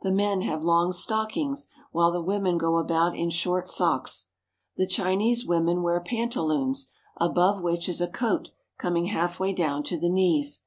The men have long stockings, while the women go about in short socks. The Chinese women wear pantaloons, above which is a coat coming halfway down to the knees.